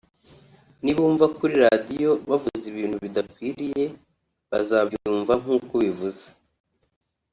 nibumva kuri Radio bavuze ibintu bidakwiye bazabyumva nk’uko ubivuze